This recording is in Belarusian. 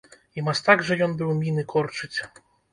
І мастак жа ён быў міны корчыць!